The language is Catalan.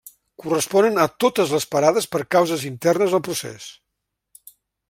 Corresponen a totes les parades per causes internes al procés.